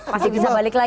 masih bisa balik lagi